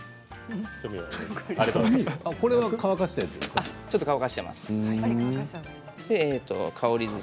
これは乾かしたものですか。